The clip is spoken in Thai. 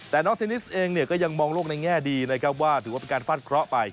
แต่น้องเทนนิสเองเนี่ยก็ยังมองโลกในแง่ดีนะครับว่าถือว่าเป็นการฟาดเคราะห์ไป